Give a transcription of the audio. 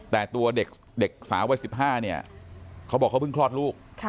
แต่ตัวเด็กสาววัย๑๕เนี่ยเขาบอกเขาเพิ่งคลอดลูก